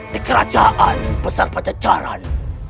di kerajaan besar pajajaran